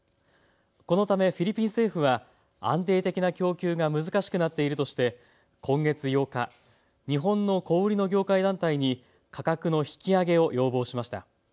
このためフィリピン政府は安定的な供給が難しくなっているとして今月８日、日本の小売りの業界団体に価格の引き上げを要望しました。